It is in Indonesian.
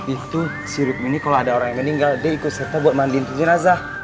itu si rukmini kalau ada orang yang meninggal dia ikut serta buat mandiin tujuan azah